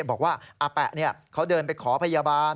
บอกว่าอาแปะเขาเดินไปขอพยาบาล